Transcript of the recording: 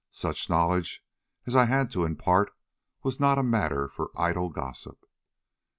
Such knowledge as I had to impart was not matter for idle gossip."